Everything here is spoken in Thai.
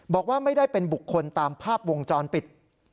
บอกว่าไม่ได้เป็นบุคคลตามภาพวงจรปิด